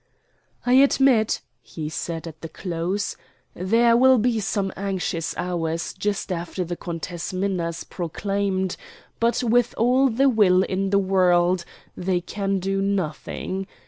"I admit," he said at the close, "there will be some anxious hours just after the Countess Minna is proclaimed; but, with all the will in the world, they can do nothing.